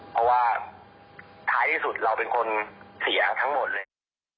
เพราะว่าท้ายที่สุดเราเป็นคนเสียทั้งหมดเลย